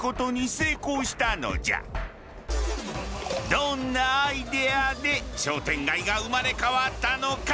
どんなアイデアで商店街が生まれ変わったのか。